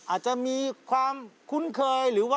อาจจะมีความคุ้นเคยหรือว่า